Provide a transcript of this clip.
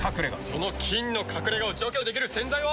その菌の隠れ家を除去できる洗剤は。